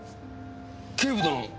警部殿。